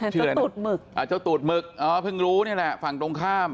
ชื่ออะไรตูดหมึกเจ้าตูดหมึกอ๋อเพิ่งรู้นี่แหละฝั่งตรงข้าม